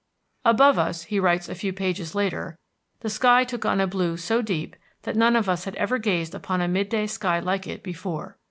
"Above us," he writes a few pages later, "the sky took on a blue so deep that none of us had ever gazed upon a midday sky like it before.